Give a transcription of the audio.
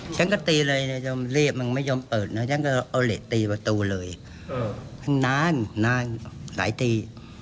ฉันก็ตีเลยเรียกมันไม่ยอมเปิดแล้วฉันก็เอาเหล็กตีประตูเลยนานหลายตี